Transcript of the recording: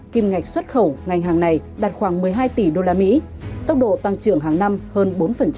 kim ngạch xuất khẩu ngành hàng này đạt khoảng một mươi hai tỷ usd tốc độ tăng trưởng hàng năm hơn bốn